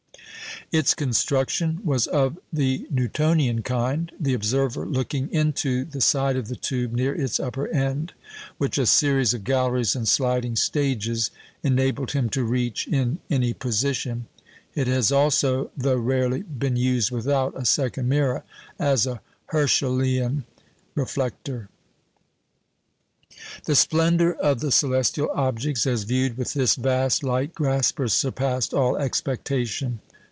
Its construction was of the Newtonian kind, the observer looking into the side of the tube near its upper end, which a series of galleries and sliding stages enabled him to reach in any position. It has also, though rarely, been used without a second mirror, as a "Herschelian" reflector. The splendour of the celestial objects as viewed with this vast "light grasper" surpassed all expectation.